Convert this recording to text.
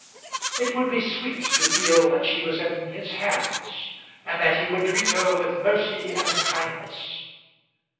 It would be sweet to feel that she was in his hands, and that he would treat her with mercy and kindness.